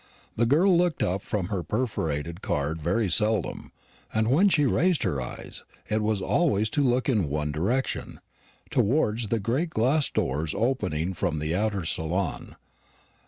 The girl looked up from her perforated card very seldom; and when she raised her eyes, it was always to look in one direction towards the great glass doors opening from the outer saloon.